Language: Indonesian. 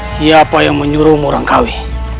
siapa yang menyuruhmu orang kawi